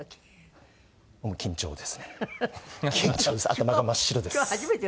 頭が真っ白です。